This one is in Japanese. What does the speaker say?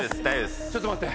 ちょっと待って。